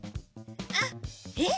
あっえっ？